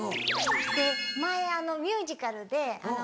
で前ミュージカルで。